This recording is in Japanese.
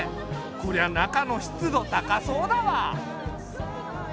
こりゃ中の湿度高そうだわ。